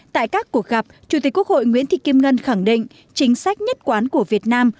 tại các cuộc gặp chủ tịch quốc hội nguyễn thị kim ngân khẳng định chính sách nhất quán của việt nam